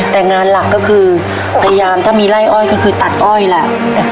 แต่งานหลักก็คือพยายามถ้ามีไล่อ้อยก็คือตัดอ้อยแหละ